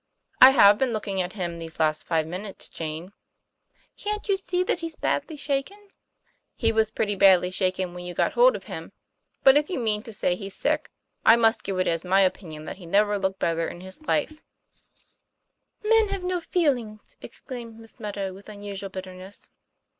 " I have been looking at him these last five min utes, Jane." " Can't you see that he's badly shaken ?'" He was pretty badly shaken when you got hold of him. But if you mean to say he's sick, I must give it as my opinion that he never looked better in his life," 1 68 TOM FLAYFAIR. " Men have no feelings," exclaimed Miss Meadow with unusual bitterness.